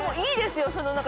いいですよね。